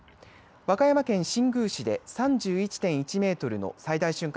和歌山県新宮市で３１．１メートルの最大瞬間